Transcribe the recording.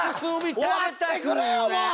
終わってくれよもう！